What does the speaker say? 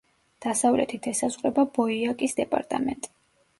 დასავლეთით ესაზღვრება ბოიაკის დეპარტამენტი.